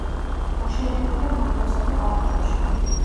მოშენებულია ბაღებსა და პარკებში.